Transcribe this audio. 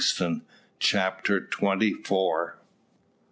CHAPTER TWENTY FOUR.